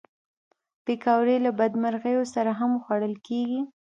پکورې له بدمرغیو سره هم خوړل کېږي